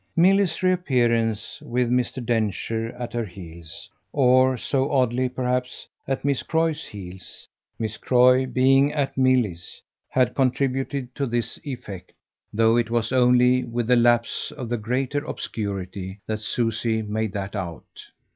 Milly's reappearance with Mr. Densher at her heels or, so oddly perhaps, at Miss Croy's heels, Miss Croy being at Milly's had contributed to this effect, though it was only with the lapse of the greater obscurity that Susie made that out.